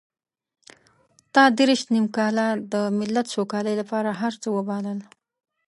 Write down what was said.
تا دېرش نيم کاله د ملت سوکالۍ لپاره هر څه وبایلل.